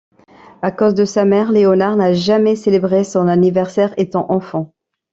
À cause de sa mère, Léonard n'a jamais célébré son anniversaire étant enfant.